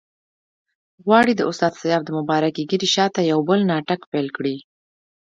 غواړي د استاد سیاف د مبارکې ږیرې شاته یو بل ناټک پیل کړي.